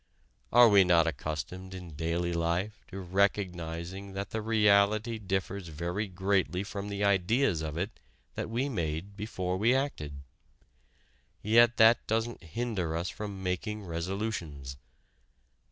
Are we not accustomed in daily life to recognizing that the reality differs very greatly from the ideas of it that we made before we acted? Yet that doesn't hinder us from making resolutions....